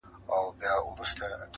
څوك به ګوري پر رحمان باندي فالونه،